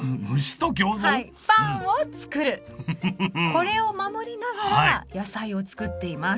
これを守りながら野菜を作っています。